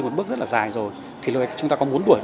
một bước rất là dài rồi thì chúng ta có muốn đuổi